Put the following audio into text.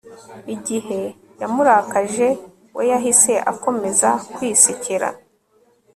igihe yamurakaje, we yahise akomeza kwisekera